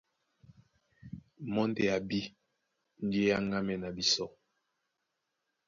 Mɔ́ ndé a bí njé é áŋgámɛ́n na bisɔ́.